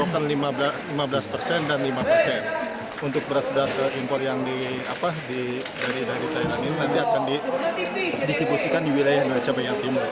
untuk beras beras impor yang dari thailand ini nanti akan didistribusikan di wilayah indonesia bagian timur